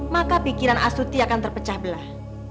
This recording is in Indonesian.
maka pikiran astuti akan terpecah belah